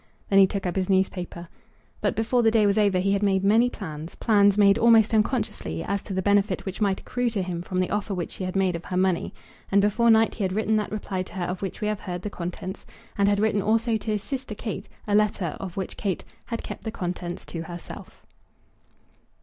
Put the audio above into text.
Then he took up his newspaper. But before the day was over he had made many plans, plans made almost unconsciously, as to the benefit which might accrue to him from the offer which she had made of her money. And before night he had written that reply to her of which we have heard the contents; and had written also to his sister Kate a letter, of which Kate had kept the contents to herself.